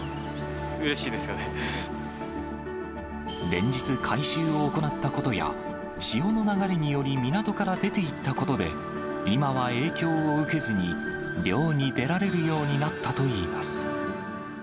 連日、回収を行ったことや、潮の流れにより港から出ていったことで、今は影響を受けずに漁に出られるようになったといいます。